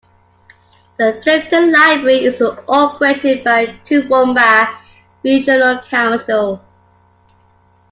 The Clifton Library is operated by the Toowoomba Regional Council.